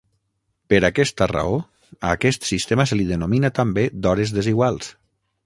Per aquesta raó, a aquest sistema se li denomina també d'hores desiguals.